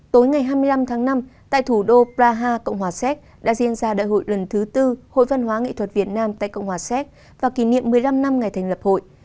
tối ngày hai mươi năm tháng năm tại thủ đô praha cộng hòa séc đã diễn ra đại hội lần thứ tư hội văn hóa nghệ thuật việt nam tại cộng hòa séc và kỷ niệm một mươi năm năm ngày thành lập hội